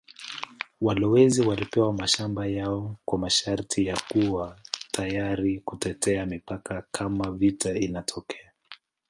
Walowezi walipewa mashamba yao kwa masharti ya kuwa tayari kutetea mipaka kama vita inatokea.